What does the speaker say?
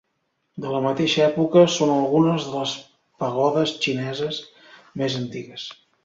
De la mateixa època, són algunes de les pagodes xineses més antigues.